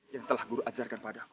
yang telah guru ajarkan padamu